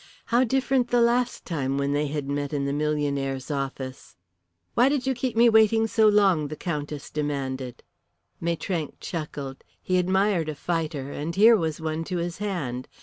How different the last time when they had met in the millionaire's office. "Why did you keep me waiting so long?" the Countess demanded. Maitrank chuckled. He admired a fighter, and here was one to his hand.